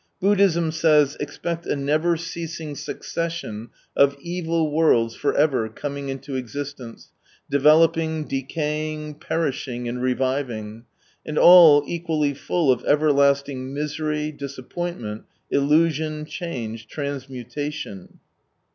Buddhism says, "Expect a neverceasing succession of evil worlds for ever coming into existence, developing, decaying, perishing, and reviving, and all equally full of ■ everlasting misery, disappointment, illusion, change, transmutation."